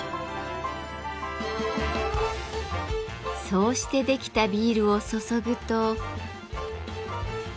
そうしてできたビールを注ぐと。